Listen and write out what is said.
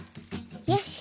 よし。